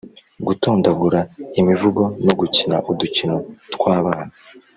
--gutondagura imivugo no gukina udukino tw’abana